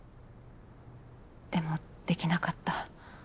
でもできなかった。